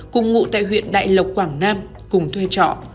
cùng ngụ tại huyện đại lộc quảng nam cùng thuê trọ